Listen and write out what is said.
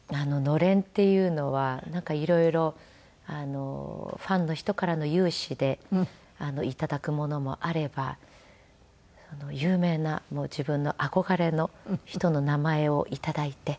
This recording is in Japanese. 暖簾っていうのは色々ファンの人からの有志で頂くものもあれば有名な自分の憧れの人の名前を頂いて。